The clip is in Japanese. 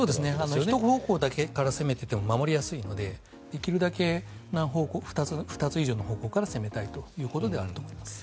１方向から攻めていても守りやすいのでできるだけ２つ以上の方向から攻めたいということであると思います。